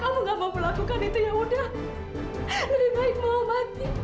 kamu lebih milih dewi daripada mama